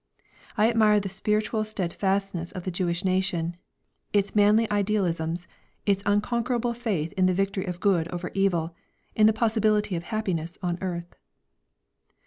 I admire the spiritual steadfastness of the Jewish nation, its manly idealisms, its unconquerable faith in the victory of good over evil, in the possibility of happiness on earth.